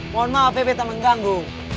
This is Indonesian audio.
mohon maaf ya pepe tak mengganggu